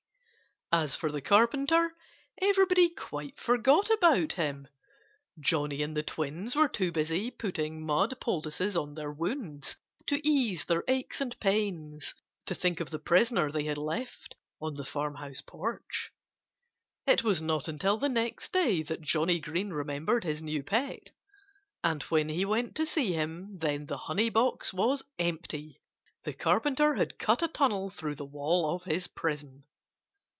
As for the Carpenter, everybody quite forgot about him. Johnnie and the twins were too busy putting mud poultices on their wounds, to ease their aches and pains, to think of the prisoner they had left on the farmhouse porch. It was not until the next day that Johnnie Green remembered his new pet. And when he went to see him then the honey box was empty. The Carpenter had cut a tunnel through the wall of his prison.